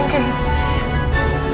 dan itu masih sehat